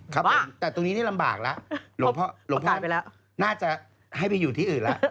ครับผมแต่ตรงนี้นี่ลำบากแล้วหลวงพ่อน่าจะให้ไปอยู่ที่อื่นแล้ว